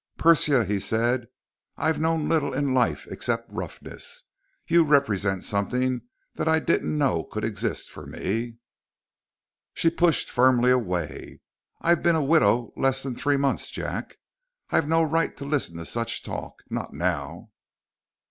"Persia," he said, "I've known little in life except roughness. You represent something that I didn't know could exist for me." She pushed firmly away. "I've been a widow less than three months, Jack. I've no right to listen to such talk. Not now."